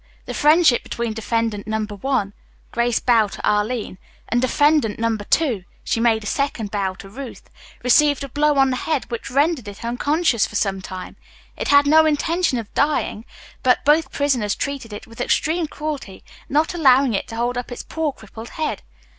The friendship between Defendant Number One," Grace bowed to Arline, "and Defendant Number Two," she made a second bow to Ruth, "received a blow on the head which rendered it unconscious for some time. It had no intention of dying, but both prisoners treated it with extreme cruelty, not allowing it to hold up its poor crippled head.